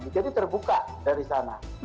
jadi terbuka dari sana